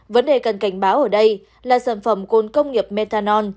vấn đề cần cảnh báo ở đây là sản phẩm côn công nghiệp methanol